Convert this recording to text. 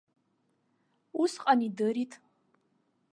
Усҟан идырит.